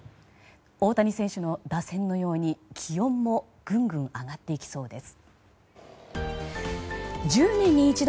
大谷選手の打線のように気温もぐんぐん上がっていきそうです。